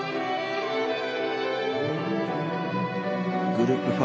グループ５